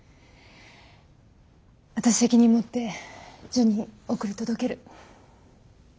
私責任持ってジュニ送り届ける。